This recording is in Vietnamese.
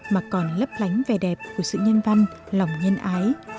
mà còn lấp lánh vẻ đẹp của sự nhân văn lòng nhân ái